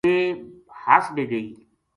ویہ ہس بھی گئی